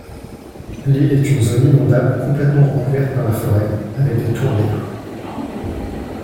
L'île est une zone inondable, complètement recouverte par la forêt, avec des tourbières.